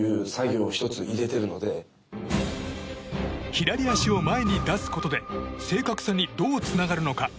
左足を前に出すことで正確さにどうつながるのか。